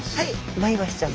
マイワシちゃん。